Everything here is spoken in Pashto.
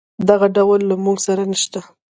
دغه ټول له موږ سره نشته.